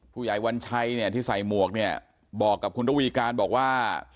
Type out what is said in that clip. วัญชัยเนี่ยที่ใส่หมวกเนี่ยบอกกับคุณระวีการบอกว่า